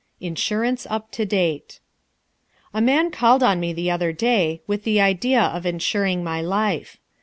Insurance up to Date A man called on me the other day with the idea of insuring my life.